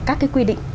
các cái quy định